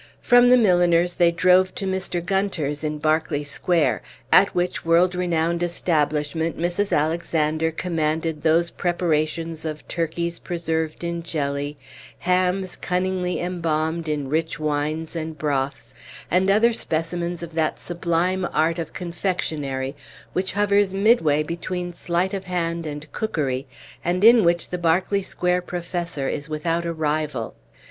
From the milliner's they drove to Mr. Gunter's in Berkeley Square, at which world renowned establishment Mrs. Alexander commanded those preparations of turkeys preserved in jelly, hams cunningly embalmed in rich wines and broths, and other specimens of that sublime art of confectionery which hovers midway between sleight of hand and cookery, and in which the Berkeley Square professor is without a rival.